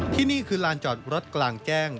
ที่นี่คือลานจอดรถกลางแจ้ง